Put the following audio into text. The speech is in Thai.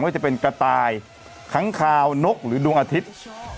ไม่ใช่จะเป็นกะตายขังคาวนกหรือดวงอาทิตย์